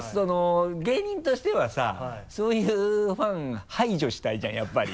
芸人としてはさそういうファン排除したいじゃんやっぱり。